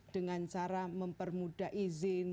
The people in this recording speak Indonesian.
dengan cara mempermudah izin